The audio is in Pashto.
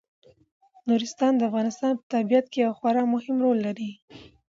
نورستان د افغانستان په طبیعت کې یو خورا مهم رول لري.